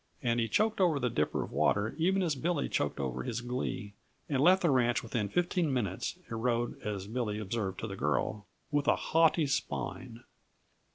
And he choked over the dipper of water even as Billy choked over his glee, and left the ranch within fifteen minutes and rode, as Billy observed to the girl, "with a haughty spine."